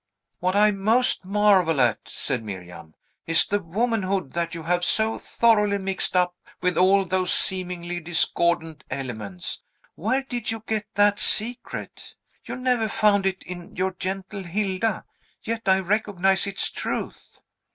"What I most marvel at," said Miriam, "is the womanhood that you have so thoroughly mixed up with all those seemingly discordant elements. Where did you get that secret? You never found it in your gentle Hilda, yet I recognize its truth."